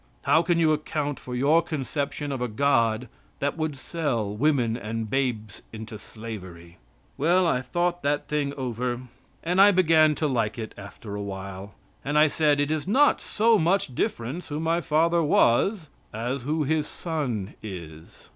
How can you account for your conception of a God that would sell women and babes into slavery? Well, I thought that thing over and I began to like it after a while, and I said: "It is not so much difference who my father was as who his son is."